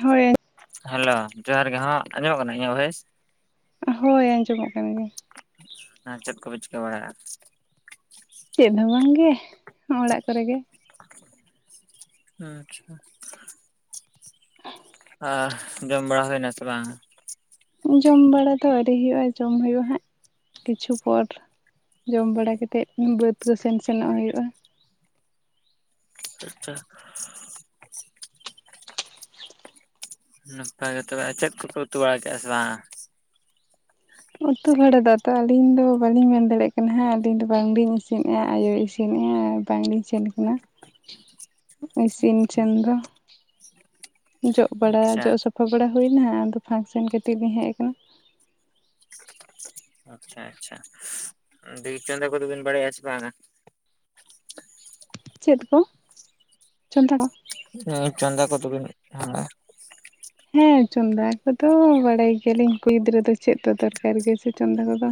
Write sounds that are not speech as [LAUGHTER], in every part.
ᱦᱳᱭ ᱦᱮᱞᱳ ᱡᱚᱦᱟᱨ ᱜᱮ ᱦᱚᱸ ᱟᱸᱡᱚᱢᱚᱜ ᱠᱟᱱᱟ ᱤᱧᱟᱹᱜ ᱵᱷᱚᱭᱮᱥ ᱦᱳᱭ ᱟᱸᱡᱚᱢᱚᱜ ᱠᱟᱱ ᱜᱮᱭᱟ ᱟᱨ ᱪᱮᱫ ᱠᱚᱯᱮ ᱪᱤᱠᱟᱹ ᱵᱟᱲᱟᱭᱮᱜᱼᱟ ᱪᱮᱫ ᱦᱚᱸ ᱵᱟᱝ ᱜᱮ ᱚᱲᱟᱜ ᱠᱚᱨᱮ ᱜᱮ ᱟᱪᱪᱷᱟ ᱟ ᱡᱚᱢ ᱵᱟᱲᱟ ᱦᱩᱭ ᱮᱱᱟ ᱥᱮ ᱵᱟᱝ ᱡᱚᱢ ᱵᱟᱲᱟ ᱫᱚ ᱟᱹᱣᱨᱤ ᱦᱩᱭᱩᱜᱼᱟ ᱡᱚᱢ ᱦᱩᱭᱩᱜᱼᱟ ᱦᱟᱸᱜ ᱠᱤᱪᱷᱩ ᱯᱚᱨ ᱡᱚᱢ ᱵᱟᱲᱟ ᱠᱟᱛᱮᱫ ᱵᱟᱹᱫᱽ ᱠᱚ ᱥᱮᱱ ᱥᱮᱱᱚᱜ ᱦᱩᱭᱩᱜᱼᱟ ᱟᱪᱪᱷᱟ ᱱᱟᱯᱟᱭ ᱜᱮ ᱛᱚᱵᱮ ᱪᱮᱫ ᱠᱚᱯᱮ ᱩᱛᱩ ᱵᱟᱲᱟ ᱠᱮᱜᱼᱟ ᱥᱮ ᱵᱟᱝ ᱩᱛᱩ ᱵᱷᱟᱲᱟ ᱫᱚ ᱛᱚ ᱟᱹᱞᱤᱧ ᱫᱚ ᱵᱟᱹᱞᱤᱧ ᱢᱮᱱ ᱫᱟᱲᱮᱭᱟᱜ ᱠᱟᱱᱟ ᱦᱟᱸᱜ ᱟᱹᱞᱤᱧ ᱫᱚ ᱵᱟᱝᱞᱤᱧ ᱤᱥᱤᱱᱮᱫᱼᱟ ᱟᱭᱳ ᱤᱥᱤᱱ ᱤᱥᱤᱱᱮᱜᱼᱟ ᱵᱟᱝᱞᱤᱧ ᱥᱮᱱ ᱟᱠᱟᱱᱟ ᱤᱥᱤᱱ ᱴᱷᱮᱱ ᱫᱚ ᱡᱚᱜ ᱵᱟᱲᱟ ᱟᱪᱪᱷᱟ ᱡᱚᱜ ᱥᱟᱯᱷᱟ ᱵᱟᱲᱟ ᱦᱩᱭᱮᱱᱟ ᱟᱫᱚ ᱯᱷᱟᱸᱠ ᱥᱮᱱ ᱠᱟᱹᱴᱤᱡ ᱞᱤᱧ ᱦᱮᱡ ᱟᱠᱟᱱᱟ ᱟᱪᱪᱷᱟ ᱟᱪᱪᱷᱟ [UNINTELLIGIBLE] ᱠᱚᱫᱚ ᱵᱤᱱ ᱵᱟᱲᱟᱭᱟ ᱥᱮ ᱵᱟᱝᱟ ᱪᱮᱫ ᱠᱚ ᱪᱚᱸᱫᱟ ᱠᱚ ᱦᱮᱸ ᱪᱚᱸᱫᱟ ᱠᱚᱫᱚ ᱵᱤᱱ ᱦᱮᱸ ᱦᱮᱸ ᱪᱚᱸᱫᱟ ᱠᱚᱫᱚ ᱵᱟᱲᱟᱭ ᱜᱮᱭᱟᱞᱤᱧ ᱠᱩᱲᱤ ᱜᱤᱫᱽᱨᱟᱹ ᱫᱚ ᱪᱮᱫ ᱫᱚ ᱫᱚᱨᱠᱟᱨ ᱜᱮᱭᱟ ᱥᱮ ᱪᱚᱸᱫᱟ ᱠᱚ ᱫᱚ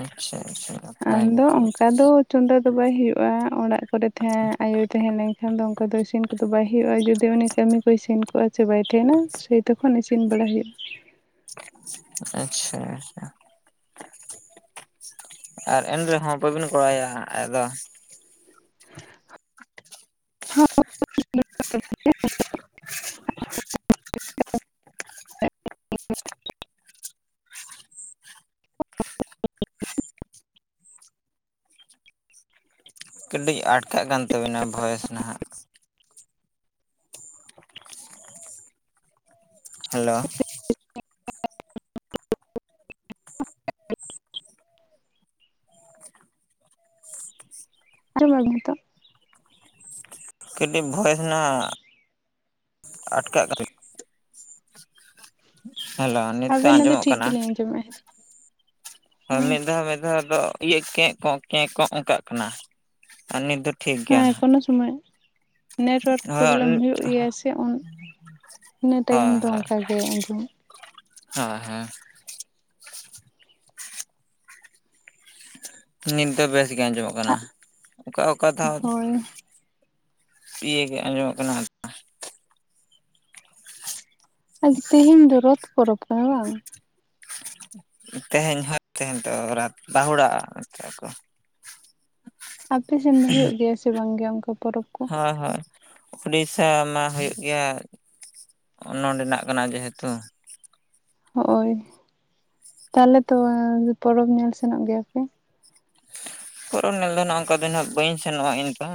ᱟᱪᱪᱷᱟ ᱟᱪᱪᱷᱟ ᱱᱟᱯᱟᱭ ᱜᱮ ᱟᱫᱚ ᱛᱚᱵᱮ ᱚᱱᱠᱟ ᱫᱚ ᱪᱚᱸᱫᱟ ᱫᱚ ᱵᱟᱭ ᱦᱩᱭᱩᱜᱼᱟ ᱚᱲᱟᱜ ᱠᱚᱨᱮ ᱛᱟᱦᱮᱸ ᱟᱭᱳ ᱛᱟᱦᱮᱸ ᱞᱮᱱ ᱠᱷᱟᱱ ᱫᱚ ᱚᱱᱠᱟ ᱫᱚ ᱤᱥᱤᱱ ᱠᱚᱫᱚ ᱵᱟᱭ ᱦᱩᱭᱩᱜᱼᱟ ᱡᱩᱫᱤ ᱛᱮ ᱩᱱᱤ ᱠᱟᱹᱢᱤ ᱠᱚᱭ ᱥᱮᱱ ᱠᱚᱜᱼᱟ ᱥᱮ ᱵᱟᱭ ᱛᱟᱦᱮᱱᱟ ᱥᱮ ᱛᱚᱠᱷᱚᱱ ᱤᱥᱤᱱ ᱵᱟᱲᱟ ᱦᱩᱭᱩᱜᱼᱟ ᱟᱪᱪᱷᱟ ᱟᱪᱪᱷᱟ ᱟᱨ ᱮᱱ ᱨᱮᱦᱚᱸ ᱵᱟᱹᱵᱤᱱ ᱜᱚᱲᱚᱣᱟᱭᱟ ᱟᱭᱳ ᱫᱚ [UNINTELLIGIBLE] [UNINTELLIGIBLE] ᱠᱟᱹᱴᱤᱡ ᱟᱴᱠᱟᱜ ᱠᱟᱱ ᱛᱟᱹᱵᱤᱱᱟ ᱵᱷᱚᱭᱮᱥ ᱱᱷᱟᱜ ᱦᱮᱞᱳ [UNINTELLIGIBLE] [UNINTELLIGIBLE] ᱟᱸᱡᱚᱢ ᱮᱫᱟ ᱵᱤᱱ ᱱᱤᱛᱚᱜ ᱠᱟᱹᱴᱤᱡ ᱵᱷᱚᱭᱮᱥ ᱱᱷᱟᱜ ᱟᱴᱠᱟᱜ ᱠᱟ [UNINTELLIGIBLE] ᱦᱮᱞᱳ ᱱᱤᱛ ᱟᱹᱵᱤᱱᱟᱜ ᱫᱚ ᱟᱸᱡᱚᱢᱚᱜ ᱴᱷᱤᱠ ᱠᱟᱱᱟ ᱜᱮᱞᱤᱧ ᱟᱸᱡᱚᱢᱮᱜᱼᱟ ᱦᱳᱭ ᱢᱤᱫ ᱫᱷᱟᱣ ᱢᱤᱫ ᱫᱷᱟᱣ ᱫᱚ ᱤᱭᱤᱭᱟᱹ ᱠᱮᱸᱜ ᱠᱚᱸᱜ ᱠᱮᱸᱜ ᱠᱚᱸᱜ ᱚᱱᱠᱟᱜ ᱠᱟᱱᱟ ᱟᱨ ᱱᱤᱛ ᱫᱚ ᱴᱷᱤᱠ ᱜᱮᱭᱟ ᱦᱮᱸ ᱱᱟᱦᱟᱜ ᱠᱳᱱᱳ ᱥᱚᱢᱚᱭ ᱱᱮᱴᱳᱣᱟᱨᱠ ᱦᱳᱭ ᱯᱨᱚᱵᱞᱮᱢ ᱦᱩᱭᱩᱜ ᱜᱮᱭᱟ ᱥᱮ ᱩᱱ ᱤᱱᱟᱹ ᱦᱳᱭ ᱴᱟᱭᱤᱢ ᱦᱳᱭ ᱫᱚ ᱚᱱᱠᱟ ᱜᱮ ᱟᱸᱡᱚᱢᱚᱜ ᱦᱳᱭ ᱦᱮᱸ ᱱᱤᱛ ᱫᱚ ᱵᱮᱥ ᱜᱮ ᱟᱸᱡᱚᱢᱚᱜ ᱠᱟᱱᱟ ᱚᱠᱟ ᱚᱠᱟ ᱫᱷᱟᱣ ᱦᱳᱭ ᱤᱭᱟᱹᱜ ᱜᱮ ᱟᱸᱡᱚᱢᱚᱜ ᱠᱟᱱᱟ ᱟᱪᱪᱷᱟ ᱛᱮᱦᱮᱧ ᱫᱚ ᱨᱚᱛᱷ ᱯᱚᱨᱚᱵᱽ ᱠᱟᱱᱟ ᱵᱟᱝ ᱛᱮᱦᱮᱧ ᱦᱳᱭ ᱛᱮᱦᱮᱧ ᱫᱚ ᱨᱟᱛ [UNINTELLIGIBLE] ᱠᱚ ᱟᱯᱮ ᱥᱮᱱ ᱫᱚ ᱦᱩᱭᱩᱜ ᱜᱮᱭᱟ ᱥᱮ ᱵᱟᱝ ᱜᱮ ᱚᱱᱠᱟ ᱯᱚᱨᱚᱵᱽ ᱠᱚ ᱦᱳᱭ ᱦᱳᱭ ᱩᱰᱤᱥᱥᱟ ᱢᱟ ᱦᱩᱭᱩᱜ ᱜᱮᱭᱟ, ᱱᱚᱰᱮᱱᱟᱜ ᱠᱟᱱᱟ ᱡᱮᱦᱮᱛᱩ ᱦᱳᱭ, ᱛᱟᱦᱚᱞᱮ ᱛᱚ ᱯᱚᱨᱚᱵᱽ ᱧᱮᱞ ᱥᱮᱱᱚᱜ ᱜᱮᱭᱟᱯᱮ ᱯᱚᱨᱚᱵ, ᱧᱮᱞ ᱫᱚ ᱦᱟᱸᱜ ᱚᱱᱠᱟ ᱫᱚ ᱦᱟᱸᱜ ᱵᱟᱹᱧ ᱥᱮᱱᱚᱜᱼᱟ ᱮᱱᱠᱟ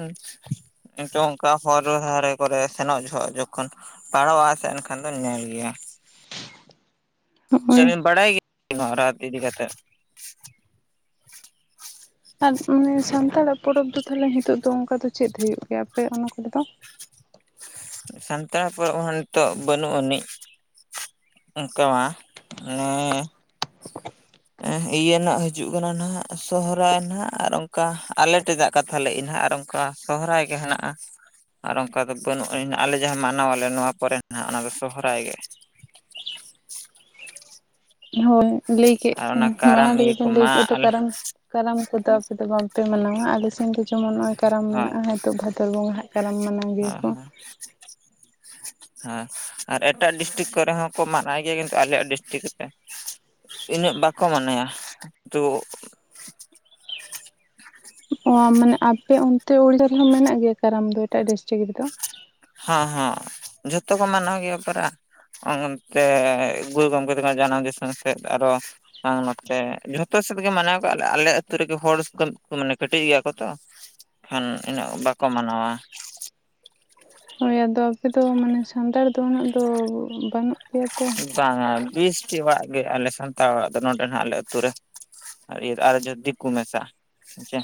ᱱᱤᱛᱚᱜ ᱚᱱᱠᱟ ᱦᱚᱨ ᱫᱟᱨᱮ ᱠᱚᱨᱮ ᱥᱮᱱᱚᱜ ᱡᱚᱦᱚᱜ ᱡᱚᱠᱷᱚᱱ ᱯᱟᱨᱚᱢᱚᱜ-ᱟ ᱥᱮ ᱮᱱᱠᱷᱟᱱ ᱫᱚᱧ ᱧᱮᱞ ᱜᱮᱭᱟ ᱦᱳᱭ [UNINTELLIGIBLE] ᱵᱟᱲᱟᱭ ᱜᱮᱭᱟ ᱨᱟᱛ ᱤᱫᱤ ᱠᱟᱛᱮ ᱟᱨ ᱢᱟᱱᱮ ᱥᱟᱱᱛᱟᱲᱟᱜ ᱯᱚᱨᱚᱵᱽ ᱫᱚ ᱛᱟᱦᱚᱞᱮ ᱦᱤᱛᱚᱜ ᱫᱚ ᱚᱱᱠᱟ ᱫᱚ ᱪᱮᱫ ᱦᱩᱭᱩᱜ ᱜᱮᱭᱟ ᱟᱯᱮ ᱚᱱᱟ ᱠᱚᱨᱮ ᱫᱚ ᱥᱟᱱᱛᱟᱲ ᱯᱚᱨᱚᱵᱽ ᱦᱚᱸ ᱱᱤᱛᱚᱜ ᱵᱟᱹᱱᱩᱜ ᱟᱹᱱᱤᱡ ᱚᱱᱠᱟ ᱢᱟ ᱢᱟᱱᱮ ᱤᱭᱟᱹᱱᱟᱜ ᱦᱤᱡᱩᱜ ᱠᱟᱱᱟ ᱱᱟᱜ ᱥᱚᱦᱚᱨᱟᱭ ᱱᱟᱦᱟᱜ ᱟᱨ ᱚᱱᱠᱟ ᱟᱞᱮ ᱴᱷᱮᱫᱟᱜ ᱛᱟᱦᱚᱞᱮ ᱤᱧ ᱱᱟᱦᱟᱜ ᱟᱨ ᱚᱱᱠᱟ ᱥᱚᱦᱨᱟᱭ ᱜᱮ ᱦᱮᱱᱟᱜᱼᱟ ᱟᱨ ᱚᱱᱠᱟ ᱫᱚ ᱵᱟᱹᱱᱩᱜᱼᱟᱱ, ᱟᱞᱮ ᱡᱟᱦᱟᱸ ᱢᱟᱱᱟᱣᱟᱞᱮ ᱱᱚᱣᱟ ᱯᱚᱨᱮ ᱱᱟᱜ ᱚᱱᱟ ᱫᱚ ᱥᱚᱦᱨᱟᱭ ᱜᱮ ᱦᱳᱭ ᱞᱟᱹᱭ ᱠᱮᱫ ᱟᱨ ᱚᱱᱟ ᱠᱟᱨᱟᱢ ᱢᱟᱲᱟᱝ ᱨᱮᱚ ᱤᱭᱟᱹ ᱵᱮᱱ ᱞᱟᱹᱭ ᱠᱚᱢᱟ ᱠᱮᱫᱼᱟ ᱛᱚ ᱟᱞᱮ ᱠᱟᱨᱚᱱ ᱠᱟᱨᱟᱢ ᱠᱚᱫᱚ ᱟᱯᱮ ᱫᱚ ᱵᱟᱝᱯᱮ ᱢᱟᱱᱟᱣᱟ ᱟᱞᱮ ᱥᱮᱱ ᱫᱚ ᱡᱮᱢᱚᱱ ᱱᱚᱜ-ᱚᱭ ᱠᱟᱨᱟᱢ ᱦᱳᱭ ᱢᱮᱱᱟᱜᱼᱟ ᱱᱤᱛᱳᱜ ᱵᱷᱟᱫᱚᱨ ᱵᱚᱸᱜᱟ ᱦᱟᱜ ᱠᱟᱨᱟᱢ ᱢᱟᱱᱟᱣ ᱜᱮᱭᱟ ᱦᱳᱭ ᱠᱚ ᱦᱳᱭ ᱦᱮᱸ ᱟᱨ ᱮᱴᱟᱜ ᱰᱤᱥᱴᱤᱠ ᱠᱚᱨᱮ ᱦᱚᱸ ᱠᱚ ᱢᱟᱱᱟᱣ ᱜᱮᱭᱟ ᱠᱤᱱᱛᱩ ᱟᱞᱮᱭᱟᱜ ᱰᱤᱥᱴᱤᱠ ᱨᱮ ᱤᱱᱟᱹᱜ ᱵᱟᱠᱚ ᱢᱟᱱᱟᱭᱟ ᱛᱚ ᱚ ᱢᱟᱱᱮ ᱟᱯᱮ ᱚᱱᱛᱮ ᱩᱲᱤᱥᱟ ᱨᱮᱦᱚᱸ ᱢᱮᱱᱟᱜ ᱜᱮᱭᱟ ᱠᱟᱨᱟᱢ ᱫᱚ ᱮᱴᱟᱜ ᱰᱤᱥᱴᱤᱠ ᱨᱮᱫᱚ ᱦᱟᱸ ᱦᱟᱸ ᱡᱷᱚᱛᱚ ᱠᱚ ᱢᱟᱱᱟᱣ ᱜᱮᱭᱟ ᱯᱟᱨᱟ ᱚᱱᱛᱮ ᱜᱩᱨᱩ ᱜᱚᱝᱠᱮ ᱛᱟᱠᱤᱱᱟᱜ ᱡᱟᱱᱟᱢ ᱫᱤᱥᱚᱢ ᱥᱮᱫ ᱟᱨᱚ ᱵᱟᱝ ᱱᱚᱛᱮ ᱡᱷᱚᱛᱚ ᱥᱮᱫ ᱜᱮ ᱢᱟᱱᱟᱣ ᱠᱟᱜ-ᱟᱞᱮ ᱟᱞᱮ ᱟᱹᱛᱩ ᱨᱮᱜᱮ ᱦᱚᱲ ᱢᱟᱱᱮ ᱠᱟᱹᱴᱤᱡ ᱜᱮᱭᱟ ᱠᱚ ᱛᱚ ᱠᱷᱟᱱ ᱤᱱᱟᱹᱜ ᱵᱟᱠᱚ ᱢᱟᱱᱟᱣᱟ ᱦᱳᱭ ᱟᱫᱚ ᱟᱯᱮ ᱫᱚ ᱢᱟᱱᱮ ᱥᱟᱱᱛᱟᱲ ᱫᱚ ᱩᱱᱟᱹᱜ ᱫᱚ ᱵᱟᱹᱱᱩᱜ ᱯᱮᱭᱟ ᱛᱚ ᱵᱟᱝᱟ ᱵᱤᱥᱴᱤ ᱚᱲᱟᱜ ᱜᱮ ᱟᱞᱮ ᱥᱟᱱᱛᱟᱲ ᱚᱲᱟᱜ ᱫᱚ ᱱᱚᱰᱮ ᱱᱟᱦᱟᱜ ᱟᱞᱮ ᱟᱹᱛᱩ ᱨᱮ ᱟᱨ ᱤᱭᱟᱹ ᱟᱨ ᱡᱟ ᱫᱤᱠᱩ ᱠᱚ ᱢᱮᱥᱟ ᱦᱮᱸᱪᱮ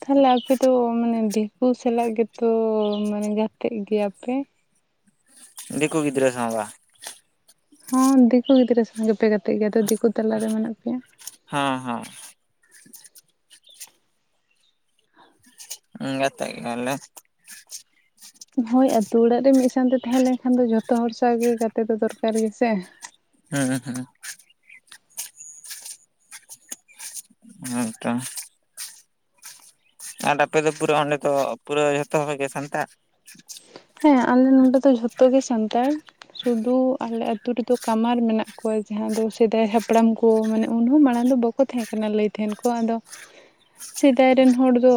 ᱛᱟᱦᱚᱞᱮ ᱟᱯᱮ ᱫᱚ ᱢᱟᱱᱮ ᱫᱤᱠᱩ ᱥᱟᱞᱟᱜ ᱜᱮᱛᱚ ᱢᱟᱱᱮ ᱜᱟᱛᱮᱜ ᱜᱮᱭᱟ ᱯᱮ ᱫᱤᱠᱩ ᱜᱤᱫᱽᱨᱟᱹ ᱥᱟᱶ ᱵᱟ ᱦᱚᱸ ᱫᱤᱠᱩ ᱜᱤᱫᱽᱨᱟᱹ ᱥᱟᱶ ᱜᱮᱯᱮ ᱜᱟᱛᱮᱜ ᱜᱮᱭᱟ ᱛᱚ ᱫᱤᱠᱩ ᱛᱟᱞᱟᱨᱮ ᱢᱮᱱᱟᱜ ᱯᱮᱭᱟ ᱦᱟᱸ ᱦᱟᱸ ᱜᱟᱛᱮᱜ ᱜᱮᱭᱟᱞᱮ ᱦᱳᱭ ᱟᱛᱩ ᱚᱲᱟᱜ ᱨᱮ ᱢᱤᱫ ᱥᱟᱶᱛᱮ ᱛᱟᱦᱮᱸ ᱞᱮᱱᱠᱷᱟᱱ ᱫᱚ ᱡᱷᱚᱛᱚ ᱦᱚᱲ ᱥᱟᱶ ᱜᱮ ᱜᱟᱛᱮ ᱫᱚ ᱫᱚᱨᱠᱟᱨ ᱜᱮᱥᱮ ᱦᱩᱸ ᱦᱩᱸ ᱦᱮᱸ ᱛᱚ ᱟᱨ ᱟᱯᱮ ᱫᱚ ᱯᱩᱨᱟᱹ ᱚᱸᱰᱮ ᱫᱚ ᱯᱩᱨᱟᱹ ᱡᱚᱛᱚ ᱦᱚᱲᱜᱮ ᱥᱟᱱᱛᱟᱲ ᱦᱮᱸ ᱟᱞᱮ ᱱᱚᱸᱰᱮ ᱫᱚ ᱡᱷᱚᱛᱚ ᱜᱮ ᱥᱟᱱᱛᱟᱲ ᱥᱩᱫᱷᱩ ᱟᱞᱮ ᱟᱹᱛᱩ ᱨᱮᱫᱚ ᱠᱟᱢᱟᱨ ᱢᱮᱱᱟᱜ ᱠᱚᱣᱟ ᱡᱟᱦᱟᱸ ᱫᱚ ᱥᱮᱫᱟᱭ ᱦᱟᱯᱲᱟᱢ ᱠᱚ ᱢᱟᱱᱮ ᱩᱱᱦᱚᱸ ᱢᱟᱲᱟᱝ ᱫᱚ ᱵᱟᱠ ᱠᱚ ᱛᱟᱦᱮᱸ ᱠᱟᱱᱟ ᱞᱟᱹᱭ ᱛᱟᱦᱮᱱ ᱠᱚ ᱟᱫᱚ ᱥᱮᱫᱟᱭ ᱨᱮᱱ ᱦᱚᱲ ᱫᱚ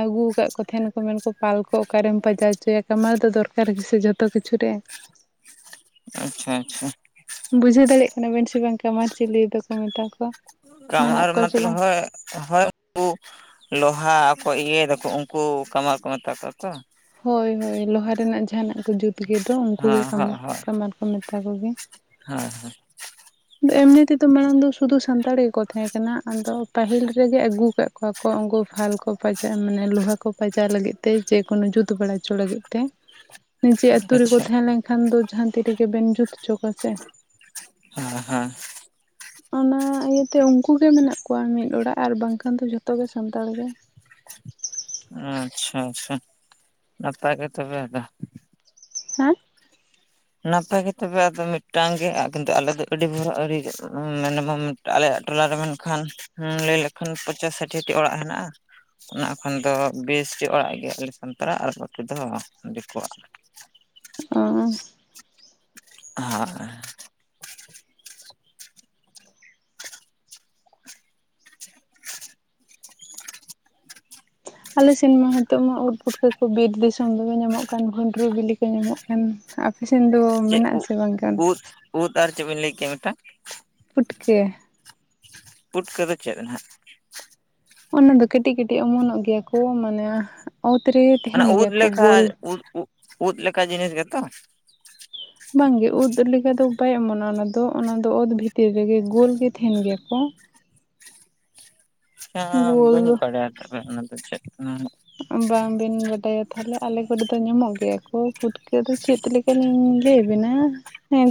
ᱟᱹᱜᱩ ᱠᱟᱫ ᱠᱚ ᱛᱟᱦᱮᱱᱟᱠᱚ ᱢᱮᱱᱠᱚ ᱯᱟᱞ ᱠᱚ ᱚᱠᱟᱨᱮᱢ ᱯᱟᱡᱟᱣ ᱦᱚᱪᱚᱭᱟ ᱠᱟᱢᱟᱨ ᱫᱚ ᱫᱚᱨᱠᱟᱨ ᱜᱮᱥᱮ ᱡᱚᱛᱚ ᱠᱤᱪᱷᱩ ᱨᱮ ᱟᱪᱪᱷᱟ ᱟᱪᱪᱷᱟ ᱵᱩᱡᱷᱟᱹᱣ ᱫᱟᱲᱮᱭᱟᱜ ᱠᱟᱱᱟ ᱵᱮᱱ ᱥᱮ ᱵᱟᱝ ᱠᱟᱢᱟᱨ ᱪᱮᱞᱮ ᱫᱚᱠᱚ ᱢᱮᱛᱟ ᱠᱚᱣᱟ ᱢᱮᱱᱟᱜ ᱠᱚᱣᱟ ᱥᱮ ᱵᱟᱝ? [UNINTELLIGIBLE] ᱩᱱᱠᱩ ᱞᱳᱦᱟ ᱠᱚ ᱤᱭᱟᱹᱭ ᱫᱚᱠᱚ ᱩᱱᱠᱩ ᱠᱟᱢᱟᱨ ᱠᱚ ᱢᱮᱛᱟ ᱠᱚᱣᱟ ᱛᱚ ᱦᱳᱭ ᱦᱳᱭ ᱞᱚᱦᱟ ᱨᱮᱱᱟᱜ ᱡᱟᱦᱟᱱᱟᱜ ᱠᱚ ᱡᱩᱛ ᱜᱮᱫᱚ ᱩᱱᱠᱩ ᱜᱮ ᱦᱮᱸ ᱠᱟᱢ ᱦᱮᱸ ᱠᱟᱢᱟᱨ ᱠᱚ ᱢᱮᱛᱟ ᱠᱚᱜᱮ [UNINTELLIGIBLE] ᱟᱫᱚ ᱮᱢᱱᱤ ᱛᱮᱫᱚ ᱢᱟᱲᱟᱝ ᱫᱚ ᱥᱩᱫᱩ ᱥᱟᱱᱛᱟᱲ ᱜᱮᱠᱚ ᱛᱟᱦᱮᱸ ᱠᱟᱱᱟ ᱟᱫᱚ ᱯᱟᱹᱦᱤᱞ ᱨᱮᱜᱮ ᱟᱹᱜᱩ ᱠᱟᱫ ᱠᱚᱣᱟ ᱠᱚ ᱩᱱᱠᱩ ᱯᱷᱟᱞ ᱠᱚ ᱯᱟᱡᱟᱼᱼ ᱢᱟᱱᱮ ᱞᱳᱦᱟ ᱠᱚ ᱯᱟᱡᱟᱣ ᱞᱟᱹᱜᱤᱫ ᱛᱮ ᱡᱮ ᱠᱳᱱᱳ ᱡᱩᱛ ᱵᱟᱲᱟ ᱦᱚᱪᱚ ᱞᱟᱹᱜᱤᱫ ᱛᱮ ᱱᱤᱡᱮ ᱟᱛᱳ ᱨᱮᱠᱚ ᱟᱪᱪᱷᱟ ᱛᱟᱦᱮᱸ ᱞᱮᱱ ᱠᱷᱟᱱ ᱫᱚ ᱡᱟᱦᱟᱸ ᱛᱤ ᱨᱮᱜᱮ ᱵᱮᱱ ᱡᱩᱛ ᱦᱚᱪᱚ ᱠᱚᱣᱟ ᱥᱮ ᱮᱸ ᱦᱮᱸ ᱚᱱᱟ ᱤᱭᱟᱹᱛᱮ ᱩᱱᱠᱩ ᱜᱮ ᱢᱮᱱᱟᱜ ᱠᱚᱣᱟ ᱢᱤᱫ ᱚᱲᱟᱜ ᱟᱨ ᱵᱟᱝᱠᱷᱟᱱ ᱫᱚ ᱡᱷᱚᱛᱚ ᱜᱮ ᱥᱟᱱᱛᱟᱲ ᱜᱮ ᱟᱪᱪᱷᱟ ᱟᱪᱪᱷᱟ ᱱᱟᱯᱟᱭ ᱜᱮ ᱛᱚᱵᱮ ᱟᱫᱚ ᱦᱮᱸ ᱱᱟᱯᱟᱭ ᱜᱮ ᱛᱚᱵᱮ ᱟᱫᱚ ᱢᱤᱫᱴᱟᱝ ᱜᱮ ᱟᱫᱚ ᱠᱤᱱᱛᱩ ᱟᱞᱮ ᱫᱚ ᱟᱹᱰᱤ ᱵᱷᱚᱨᱟ [UNINTELLIGIBLE] ᱢᱮᱱᱮᱢᱟᱢ ᱟᱞᱮᱭᱟᱜ ᱴᱚᱞᱟᱨᱮ ᱢᱮᱱᱠᱷᱟᱱ ᱞᱟᱹᱭ ᱞᱮᱠᱷᱟᱱ ᱯᱚᱸᱪᱟᱥ ᱥᱟᱴᱷᱤ ᱴᱤ ᱚᱲᱟᱜ ᱦᱮᱱᱟᱜᱼᱟ ᱚᱱᱟ ᱠᱷᱚᱱ ᱫᱚ ᱵᱮᱥᱤ ᱚᱲᱟᱜ ᱜᱮ ᱟᱞᱮ ᱥᱟᱱᱛᱟᱲᱟᱜ ᱟᱨ ᱵᱟᱹᱠᱤ ᱫᱚ ᱫᱤᱠᱩᱣᱟᱜ ᱚ [UNINTELLIGIBLE] ᱟᱞᱮ ᱥᱮᱱ ᱢᱟ ᱱᱤᱛᱚᱜ ᱢᱟ ᱩᱫ ᱯᱩᱴᱠᱟᱹ ᱠᱚ ᱵᱤᱨ ᱫᱤᱥᱚᱢ ᱫᱚᱢᱮ ᱧᱟᱢᱚᱜ ᱠᱟᱱ ᱵᱷᱩᱸᱰᱨᱩ ᱵᱤᱞᱤ ᱠᱚ ᱧᱟᱢᱚᱜ ᱠᱟᱱᱟ ᱟᱯᱮ ᱥᱮᱱ ᱫᱚ ᱪᱮᱫ ᱢᱮᱱᱟᱜ ᱠᱚ ᱟᱥᱮ ᱵᱟᱝᱠᱷᱟᱱ ᱩᱫ ᱩᱫ ᱟᱨ ᱪᱮᱫ ᱵᱤᱱ ᱞᱟᱹᱭ ᱠᱮᱜ-ᱟ ᱢᱤᱫᱴᱟᱝ ᱯᱩᱴᱠᱟᱹ ᱯᱩᱴᱠᱟᱹᱫᱚ ᱪᱮᱫ ᱱᱟᱦᱟᱸᱜ ᱚᱱᱟ ᱫᱚ ᱠᱟᱹᱴᱤᱡ ᱠᱟᱹᱴᱤᱡ ᱚᱢᱚᱱᱚᱜ ᱜᱮᱭᱟ ᱠᱚ ᱢᱟᱱᱮ ᱚᱛ ᱨᱮ ᱚᱱᱟ ᱛᱟᱦᱮᱱ ᱩᱫ ᱜᱮᱭᱟ ᱠᱚ ᱞᱮᱠᱟ ᱜᱳᱞ ᱩᱫ ᱩ ᱩᱫ ᱞᱮᱠᱟ ᱡᱤᱱᱤᱥ ᱜᱮᱛᱚ ᱵᱟᱝᱜᱮ ᱩᱫ ᱞᱮᱠᱟ ᱫᱚ ᱵᱟᱭ ᱚᱢᱚᱱᱚ ᱟ ᱚᱱᱟ ᱫᱚ ᱚᱱᱟ ᱫᱚ ᱚᱛ ᱵᱷᱤᱛᱤᱨ ᱨᱮᱜᱮ ᱜᱳᱞ ᱜᱮ ᱛᱟᱦᱮᱱ ᱜᱮᱭᱟ ᱠᱚ ᱪᱤᱠᱟᱹ ᱱᱟ ᱜᱳᱞ ᱵᱟᱹᱧ ᱵᱟᱰᱟᱭᱟ ᱚᱱᱟ ᱫᱚ ᱪᱮᱫ ᱠᱟᱱᱟ ᱵᱟᱝᱵᱤᱱ ᱵᱟᱰᱟᱭᱟ ᱛᱟᱦᱚᱞᱮ ᱟᱞᱮ ᱠᱚᱨᱮ ᱫᱚ ᱧᱟᱢᱚᱜ ᱜᱮᱭᱟ ᱠᱚ ᱯᱩᱴᱠᱟᱹ ᱫᱚ ᱪᱮᱫ ᱞᱮᱠᱟ ᱞᱤᱧ ᱞᱟᱹᱭ ᱵᱮᱤᱱᱟ ᱦᱮᱸ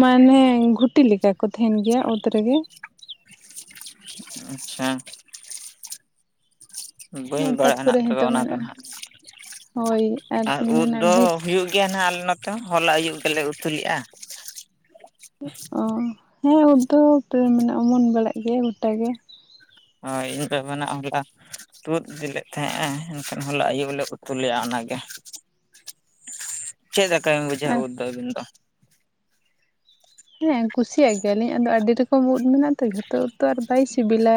ᱢᱟᱱᱮ ᱜᱷᱩᱴᱤ ᱞᱮᱠᱟ ᱠᱚ ᱛᱟᱦᱮᱱ ᱜᱮᱭᱟ ᱚᱛ ᱨᱮᱜᱮ ᱟᱪᱪᱷᱟ ᱵᱟᱹᱧ ᱵᱟᱲᱟᱭᱟ ᱛᱟᱨᱯᱚᱨᱮ ᱱᱟᱦᱟᱸᱜ ᱛᱚᱵᱮ ᱱᱤᱛᱚᱜ ᱚᱱᱟ ᱫᱚ ᱢᱮᱱᱟᱜᱼᱟ ᱱᱟᱦᱟᱸᱜ ᱦᱳᱭ ᱟᱨ ᱩᱫ ᱢᱮᱱᱟᱜᱼᱟ ᱫᱚ ᱵᱤᱨ ᱦᱩᱭᱩᱜ ᱜᱮᱭᱟ ᱱᱟᱦᱟᱸᱜ ᱟᱞᱮ ᱱᱚᱛᱮ ᱦᱚᱸ ᱦᱚᱞᱟ ᱟᱹᱭᱩᱵ ᱜᱮᱞᱮ ᱩᱛᱩ ᱞᱮᱜᱼᱟ ᱚ ᱦᱮᱸ ᱩᱫ ᱫᱚ ᱢᱟᱱᱮ ᱚᱢᱚᱱ ᱵᱟᱲᱟᱜ ᱜᱮᱭᱟ ᱜᱚᱴᱟ ᱜᱮ ᱦᱳᱭ ᱤᱧᱫᱚ ᱢᱮᱱᱟᱜ ᱟ ᱦᱚᱞᱟ ᱩᱫ ᱤᱫᱤ ᱞᱮᱫ ᱛᱟᱦᱮᱸᱜᱼᱟ ᱮᱱᱠᱷᱟᱱ ᱦᱚᱞᱟ ᱟᱹᱭᱩᱵ ᱞᱮ ᱩᱛᱩ ᱞᱮᱜᱼᱟ ᱚᱱᱟᱜᱮ ᱪᱮᱫ ᱞᱮᱠᱟ ᱵᱮᱱ ᱵᱩᱡᱟ ᱟᱨ ᱩᱫ ᱫᱚ ᱟᱹᱵᱤᱱ ᱫᱚ ᱦᱮᱸ ᱠᱩᱥᱤᱭᱟᱜ ᱜᱮᱭᱟᱞᱤᱧ ᱟᱫᱚ ᱟᱹᱰᱤ ᱨᱚᱠᱚᱢ ᱩᱫ ᱢᱮᱱᱟᱜ ᱛᱚ ᱡᱷᱚᱛᱚ ᱩᱫ ᱛᱚ ᱟᱨ ᱵᱟᱭ ᱥᱤᱵᱤᱞᱟ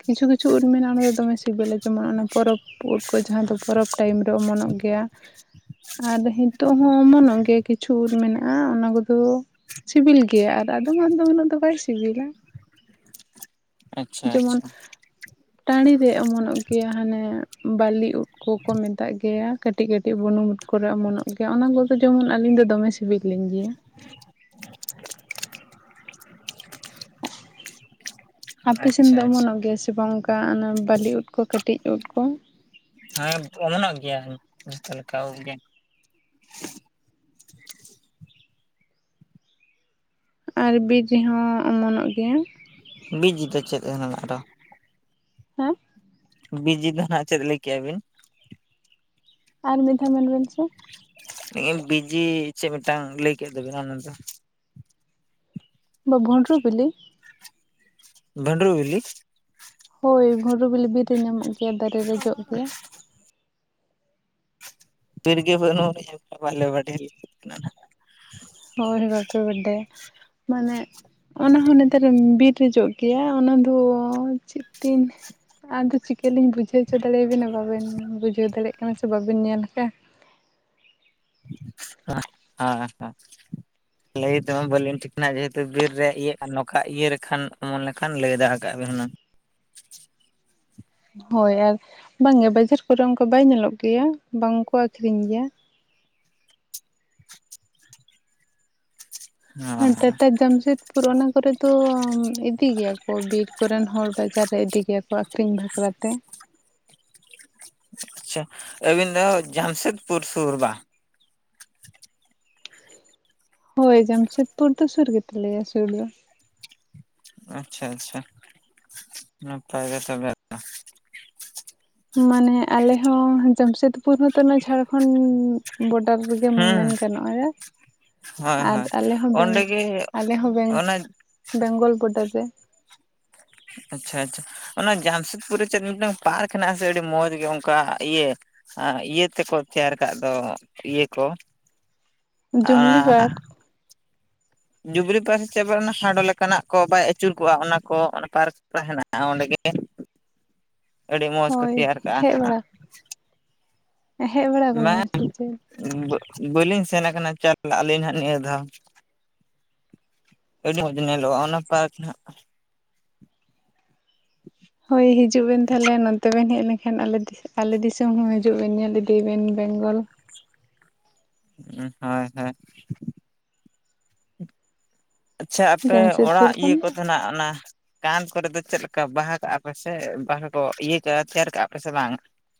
ᱠᱤᱪᱷᱩ ᱠᱤᱪᱷᱩ ᱩᱫ ᱢᱮᱱᱟᱜᱼᱟ ᱚᱱᱟ ᱫᱚ ᱫᱚᱢᱮ ᱥᱤᱵᱤᱞᱟ ᱡᱮᱢᱚᱱ ᱚᱱᱟ ᱯᱚᱨᱚᱵ ᱯᱩᱰᱠᱚ ᱡᱟᱦᱟᱸ ᱫᱚ ᱯᱚᱨᱚᱵ ᱴᱟᱭᱤᱢ ᱨᱮ ᱚᱢᱚᱱᱚᱜ ᱜᱮᱭᱟ ᱟᱨ ᱦᱤᱛᱚᱜ ᱦᱚᱸ ᱚᱢᱱᱚᱜ ᱜᱮᱭᱟ ᱠᱤᱪᱷᱩ ᱩᱫ ᱢᱮᱱᱟᱜᱼᱟ ᱚᱱᱟ ᱠᱚᱫᱚ ᱥᱤᱵᱤᱞ ᱜᱮᱭᱟ ᱟᱨ ᱟᱫᱚᱢᱟᱜ ᱫᱚ ᱩᱱᱟᱹᱜ ᱫᱚ ᱵᱟᱭ ᱥᱤᱵᱤᱞᱟ ᱟᱪᱪᱷᱟ ᱡᱮᱢᱚᱱ ᱟᱪᱪᱷᱟ ᱴᱟᱺᱲᱤ ᱨᱮ ᱚᱢᱚᱱᱚᱜ ᱜᱮᱭᱟ ᱦᱟᱱᱮ ᱵᱟᱹᱞᱤ ᱩᱫ ᱠᱚᱠᱚ ᱢᱮᱛᱟᱜ ᱜᱮᱭᱟ ᱠᱟᱹᱴᱤᱡ ᱠᱟᱹᱴᱤᱡ ᱵᱩᱱᱩᱢ ᱩᱫ ᱠᱚᱨᱮ ᱚᱢᱚᱱᱚᱜ ᱜᱮᱭᱟ ᱚᱱᱟ ᱠᱚᱫᱚ ᱡᱮᱢᱚᱱ ᱟᱹᱞᱤᱧ ᱫᱚ ᱫᱚᱢᱮ ᱥᱤᱵᱤᱞ ᱞᱤᱧ ᱜᱮᱭᱟ ᱟᱯᱮ ᱥᱮᱱ ᱟᱪᱪᱷᱟ ᱫᱚ ᱟᱪᱪᱷᱟ ᱚᱢᱚᱱᱚᱜ ᱜᱮᱭᱟ ᱥᱮ ᱵᱟᱝ ᱚᱱᱠᱟ ᱵᱟᱹᱞᱤ ᱩᱫ ᱠᱚ ᱠᱟᱹᱴᱤᱡ ᱩᱫ ᱠᱚ ᱦᱮᱸ ᱚᱢᱚᱱᱚᱜ ᱜᱮᱭᱟ ᱡᱚᱛᱚ ᱞᱮᱠᱟ ᱩᱫ ᱜᱮ ᱟᱨ ᱵᱤᱨ ᱨᱮᱦᱚᱸ ᱚᱢᱚᱱᱚᱜ ᱜᱮᱭᱟ ᱵᱤᱡ ᱡᱤᱛᱟ ᱫᱚ ᱪᱮᱫ ᱦᱟᱸᱜ ᱫᱟᱜ ᱫᱚ ᱦᱮᱸ ᱵᱤᱡ ᱡᱤᱫᱟ ᱦᱟᱸᱜ ᱪᱮᱫ ᱞᱮᱟᱹᱭ ᱠᱮᱭᱟ ᱵᱤᱱ ᱟᱨ ᱢᱤᱫ ᱫᱷᱟᱣ ᱢᱮᱱ ᱵᱮᱱ ᱥᱮ? ᱵᱤᱡᱤ ᱪᱮᱫ ᱢᱤᱫᱴᱟᱝ ᱞᱟᱹᱭ ᱠᱮᱫ ᱫᱚᱵᱤᱱ ᱚᱱᱟ ᱫᱚ ᱵᱟ ᱵᱷᱚᱱᱰᱨᱚ ᱵᱤᱞᱤ ᱵᱷᱟᱱᱰᱨᱩ ᱵᱤᱞᱤ ᱦᱳᱭ ᱵᱷᱟᱰᱩ ᱵᱤᱞᱤ ᱵᱤᱨ ᱨᱮ ᱧᱟᱢᱚᱜ ᱜᱮᱭᱟ ᱫᱟᱨᱮ ᱨᱮ ᱡᱚᱜ ᱜᱮᱭᱟ᱾ ᱵᱤᱨᱜᱮ ᱵᱟᱹᱱᱩ [UNINTELLIGIBLE] ᱵᱟᱞᱮ ᱵᱟᱰᱟᱭ ᱠᱟᱱᱟ ᱦᱚᱭ ᱵᱟᱯᱮ ᱵᱟᱰᱟᱭᱟ ᱢᱟᱱᱮ ᱚᱱᱟ ᱦᱚᱸ ᱱᱮᱛᱟᱨ ᱵᱤᱨ ᱨᱮ ᱡᱚᱜ ᱜᱮᱭᱟ ᱚᱱᱟᱫᱚ ᱪᱮᱫ ᱛᱤᱱ ᱟᱫᱚ ᱪᱤᱠᱟᱹᱞᱤᱧ ᱵᱩᱡᱷᱟᱹᱣ ᱦᱚᱪᱚ ᱫᱟᱲᱮᱭᱟᱵᱟ ᱵᱟᱵᱮᱱ ᱵᱩᱡᱷᱟᱹᱣ ᱫᱟᱲᱮᱭᱟᱜ ᱠᱟᱱᱟ ᱥᱮ ᱵᱟᱵᱮᱱ ᱧᱮᱞ ᱟᱠᱟᱫᱼᱟ᱾ ᱦᱮᱸ ᱦᱮᱸ ᱞᱟᱹᱭ ᱛᱮᱢᱟ ᱵᱟᱹᱞᱤᱧ ᱴᱷᱤᱠᱟᱱᱟ ᱡᱮᱦᱮᱛᱩ ᱵᱤᱨ ᱨᱮᱭᱟᱜ ᱤᱭᱟᱹ ᱱᱚᱝᱠᱟ ᱤᱭᱟᱹ ᱞᱮᱠᱷᱟᱱ ᱚᱢᱚᱱ ᱞᱮᱠᱷᱟᱱ ᱞᱟᱹᱭ ᱫᱟᱲᱮ ᱠᱟᱜ ᱵᱤᱱ ᱦᱩᱱᱟᱹᱝ ᱦᱳᱭ ᱟᱨ ᱵᱟᱝᱜᱮ ᱵᱟᱡᱟᱨ ᱠᱚᱨᱮ ᱚᱱᱠᱟ ᱵᱟᱭ ᱧᱮᱞᱚᱜ ᱜᱮᱭᱟ ᱵᱟᱝᱠᱚ ᱟᱠᱷᱨᱤᱧ ᱜᱮᱭᱟ ᱦᱮᱸ ᱴᱟᱴᱟ ᱡᱚᱢᱥᱮᱫ ᱯᱚᱨ ᱚᱱᱟ ᱠᱚᱨᱮ ᱫᱚ ᱤᱫᱤ ᱜᱮᱭᱟ ᱠᱚ ᱵᱤᱨ ᱠᱚᱨᱮᱱ ᱦᱚᱲ ᱵᱟᱡᱟᱨ ᱨᱮ ᱤᱫᱤ ᱜᱮᱭᱟ ᱠᱚ ᱟᱠᱠᱷᱨᱤᱧ ᱵᱟᱠᱷᱨᱟ ᱛᱮ ᱟᱪᱪᱷᱟ ᱟᱹᱵᱤᱱ ᱫᱚ ᱡᱟᱢᱥᱮᱫᱯᱩᱨ ᱥᱩᱨ ᱵᱟᱝ ᱦᱳᱭ ᱡᱟᱢᱥᱮᱫᱽᱯᱩᱨ ᱫᱚ ᱥᱩᱨ ᱜᱮᱛᱟ ᱞᱮᱭᱟ ᱥᱩᱨ ᱫᱚ᱾ ᱟᱪᱪᱷᱟ ᱟᱪᱪᱷᱟ ᱱᱟᱯᱟᱭ ᱜᱮ ᱛᱚᱵᱮ ᱢᱟᱱᱮ ᱟᱞᱮ ᱦᱚᱸ ᱡᱟᱢᱥᱮᱫᱽᱯᱩᱨ ᱦᱚ ᱫᱚᱢᱮ ᱡᱷᱟᱲᱠᱷᱚᱸᱱᱰ ᱵᱚᱰᱟᱨ ᱨᱮᱜᱮᱢ ᱦᱩᱸ ᱢᱮᱱ ᱜᱟᱱᱚᱜᱼᱟ ᱦᱳᱭ ᱟᱨ ᱦᱳᱭ ᱟᱞᱮ ᱦᱚᱸ ᱚᱸᱰᱮ ᱵᱮᱝᱜᱚ ᱜᱮ ᱵᱮᱝᱜᱚ ᱚᱱᱟ ᱵᱮᱝᱜᱚᱞ ᱵᱳᱰᱟᱨ ᱨᱮ ᱟᱪᱪᱷᱟ ᱟᱪᱪᱷᱟ ᱚᱱᱟ ᱡᱟᱢᱥᱮᱫᱽᱯᱩᱨ ᱨᱮ ᱪᱮᱫ ᱢᱤᱫᱴᱟᱝ ᱯᱟᱨᱠ ᱦᱮᱱᱟᱜ ᱟᱥᱮ ᱟᱹᱰᱤ ᱢᱚᱡᱽ ᱜᱮ ᱚᱱᱠᱟ ᱤᱭᱟᱹ ᱟᱨ ᱤᱭᱟᱹ ᱛᱮᱠᱚ ᱛᱮᱭᱟᱨ ᱠᱟᱜ ᱫᱚ ᱤᱭᱟᱹ ᱠᱚ ᱡᱩᱵᱽᱞᱤ ᱯᱟᱨᱠ ᱡᱩᱵᱽᱞᱤ ᱯᱟᱨᱠ ᱥᱮ ᱪᱮᱫ ᱯᱟᱨᱠ ᱦᱮᱱᱟᱜᱼᱟ ᱦᱟᱸᱰᱚ ᱞᱮᱠᱟᱱᱟᱜ ᱠᱚ ᱵᱟᱭ ᱟᱹᱪᱩᱨ ᱠᱚᱜᱼᱟ ᱚᱱᱟ ᱠᱚ ᱚᱱᱟ ᱯᱟᱨᱠ ᱦᱮᱱᱟᱜᱼᱟ ᱚᱸᱰᱮᱜᱮ ᱟᱹᱰᱤ ᱢᱚᱡᱽ ᱠᱚ ᱦᱳᱭ ᱛᱮᱭᱟᱨ ᱦᱮᱡ ᱠᱟᱜᱼᱟ᱾ ᱵᱟᱲᱟ ᱦᱮᱡ ᱵᱟᱲᱟ ᱟᱠᱟᱱᱟ ᱢᱟ ᱵᱮᱱ ᱥᱮ ᱪᱮᱫ ᱵᱟᱹᱞᱤᱧ ᱥᱮᱱ ᱠᱟᱱᱟ ᱪᱟᱞᱟᱜ ᱟᱹᱞᱤᱧ ᱦᱟᱜ ᱱᱤᱭᱟᱹ ᱫᱷᱟᱣ ᱟᱹᱰᱤ ᱢᱚᱡᱽ ᱧᱮᱞᱚᱜᱼᱟ ᱚᱱᱟ ᱯᱟᱨᱠ ᱦᱳᱭ ᱦᱤᱡᱩᱜ ᱵᱮᱱ ᱛᱟᱦᱞᱮ ᱱᱚᱛᱮ ᱵᱮᱱ ᱦᱮᱡ ᱞᱮᱱᱠᱷᱟᱱ ᱟᱞᱮᱴᱷᱮᱡ ᱟᱞᱮ ᱫᱤᱥᱚᱢ ᱦᱚᱸ ᱦᱤᱡᱩᱜ ᱵᱮᱱ ᱧᱮᱞ ᱤᱫᱤ ᱵᱮᱱ ᱵᱮᱝᱜᱚᱞ ᱦᱳᱭ ᱦᱳᱭ ᱟᱪᱪᱷᱟ ᱟᱯᱮ ᱡᱟᱢᱥᱮᱫᱽᱯᱩᱨ ᱚᱲᱟᱜ ᱠᱷᱚᱱ ᱤᱭᱟᱹ ᱠᱚ ᱫᱚ ᱛᱟᱦᱮᱱᱟ ᱚᱱᱟ ᱠᱟᱸᱛ ᱠᱚᱨᱮ ᱫᱚ ᱪᱮᱫ ᱞᱮᱠᱟ ᱵᱟᱦᱟ ᱠᱟᱜᱼᱟ ᱯᱮ ᱥᱮ ᱵᱟᱦᱟ ᱠᱚ ᱤᱭᱟᱹ ᱠᱟᱜᱼᱟ ᱛᱮᱭᱟᱨ ᱠᱟᱜᱼᱟ ᱯᱮ ᱥᱮ ᱵᱟᱝ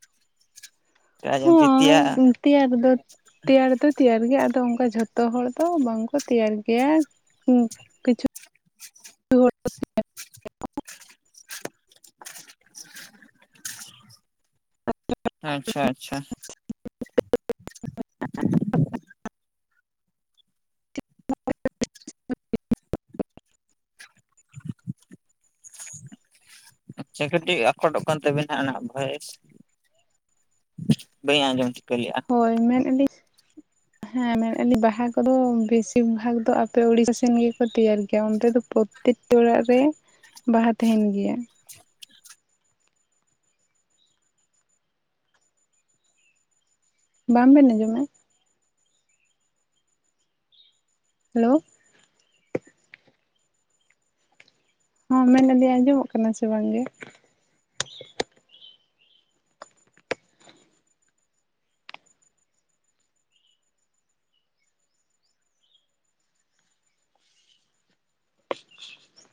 [INAUDIBLE] ᱨᱟᱱ ᱛᱤᱛᱤᱭᱟ ᱦᱚᱸ ᱛᱮᱭᱟᱨ ᱫᱚ ᱛᱮᱭᱟᱨ ᱫᱚ ᱛᱮᱭᱟᱨ ᱜᱮᱭᱟ ᱟᱫᱚ ᱚᱱᱠᱟ ᱡᱷᱚᱛᱚ ᱦᱚᱲ ᱫᱚ ᱵᱟᱝ ᱠᱚ ᱛᱮᱭᱟᱨ ᱜᱮᱭᱟ᱾ ᱠᱤᱪᱷᱩ [INAUDIBLE] [INAUDIBLE] ᱟᱪᱪᱷᱟ ᱟᱪᱪᱷᱟ [INAUDIBLE] ᱥᱮ ᱠᱟᱹᱴᱤᱡ ᱟᱠᱚᱴᱚᱜ ᱠᱟᱱ ᱛᱟᱵᱤᱱᱟ ᱚᱱᱟ ᱵᱷᱚᱭᱮᱥ ᱵᱟᱹᱧ ᱟᱸᱡᱚᱢ ᱴᱷᱤᱠᱟᱹᱭᱮᱜᱼᱟ ᱦᱳᱭ ᱢᱮᱱᱮᱫᱼᱟᱞᱤᱧ ᱦᱮᱸ ᱢᱮᱱᱮᱫᱼᱟ ᱞᱤᱧ ᱵᱟᱦᱟ ᱠᱚᱫᱚ ᱵᱮᱥᱤᱨ ᱵᱷᱟᱜᱽ ᱫᱚ ᱟᱯᱮ ᱩᱲᱤᱥᱟ ᱥᱮᱱ ᱜᱮᱠᱚ ᱛᱮᱭᱟᱨ ᱜᱮᱭᱟ ᱚᱱᱛᱮ ᱫᱚ ᱯᱨᱚ ᱼᱼᱴᱤ ᱚᱲᱟᱜ ᱨᱮ ᱵᱟᱦᱟ ᱛᱟᱦᱮᱱ ᱜᱮᱭᱟ᱾ ᱵᱟᱝᱵᱮᱱ ᱟᱸᱡᱚᱢᱮᱜ ᱦᱮᱞᱳ ᱦᱚᱸ ᱢᱮᱱᱮᱫᱟᱹᱧ ᱟᱸᱡᱚᱢᱚᱜ ᱠᱟᱱᱟ ᱥᱮ ᱵᱟᱝ ᱜᱮ? [INAUDIBLE]